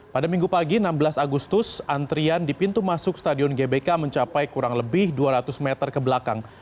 pada minggu pagi enam belas agustus antrian di pintu masuk stadion gbk mencapai kurang lebih dua ratus meter ke belakang